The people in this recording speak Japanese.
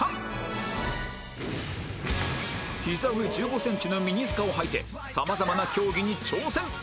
膝上１５センチのミニスカをはいてさまざまな競技に挑戦